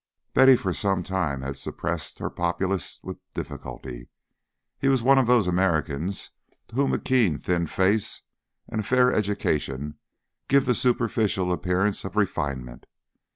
Betty for some time had suppressed her Populist with difficulty. He was one of those Americans to whom a keen thin face and a fair education give the superficial appearance of refinement.